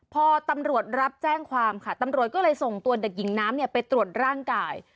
พอตำรวจรับแจ้งความค่ะตำรวจก็เลยส่งตัวเด็กหญิงน้ำไปตรวจร่างกาย